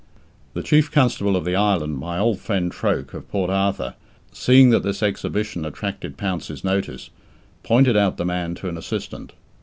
The Chief Constable of the Island my old friend Troke, of Port Arthur seeing that this exhibition attracted Pounce's notice, pointed out the man to an assistant.